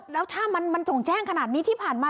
แล้วถ้ามันจงแจ้งขนาดนี้ที่ผ่านมา